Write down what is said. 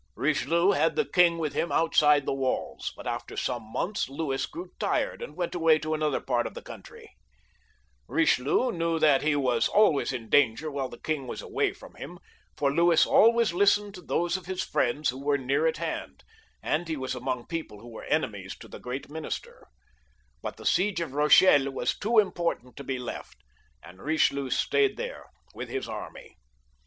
Richelieu had the king with him outside the walls, but after some months ' Louis grew tired and went away to another part of the coimtry, Bichelieu knew that he was always in danger while the king was away from him, for Louis always listened to* those of his friends who were near at hand, and he was among people who were enemies to the great minister ; but the siege of Eochelle was too important to be left, and Eichelieu stayed there with his army.